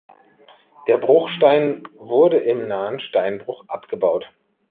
Der Bruchstein wurde im nahen Steinbruch abgebaut.